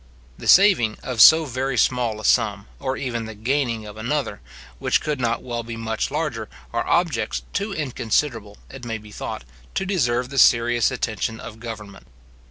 The saving of so very small a sum, or even the gaining of another, which could not well be much larger, are objects too inconsiderable, it may be thought, to deserve the serious attention of government.